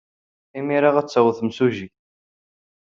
Imir-a ad d-taweḍ temsujjit.